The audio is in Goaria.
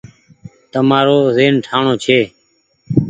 تمآرو زهين ٺآڻوڻ ڇي۔